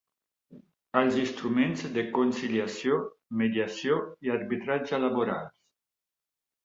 Els instruments de conciliació, mediació i arbitratge laborals.